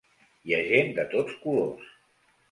Hi ha gent de tots colors.